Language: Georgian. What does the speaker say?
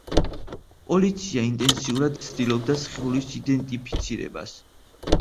პოლიცია ინტენსიურად ცდილობდა სხეულის იდენტიფიცირებას.